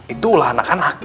itu ulah anak anak